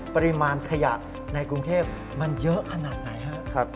ปริมาณขยะในกรุงเทพมันเยอะขนาดไหนครับ